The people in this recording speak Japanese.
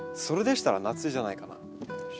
それでしたら夏じゃないかな。